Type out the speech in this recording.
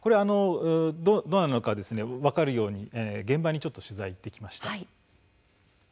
分かるように現場に取材に行ってきました。